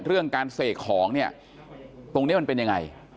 เรื่องการเสกของเนี่ยตรงนี้มันเป็นยังไง